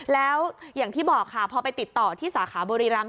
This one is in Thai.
แล้วอย่างที่บอกค่ะพอไปติดต่อที่สาขาบุรีรำ